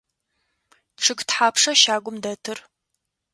Чъыг тхьапша щагум дэтыр?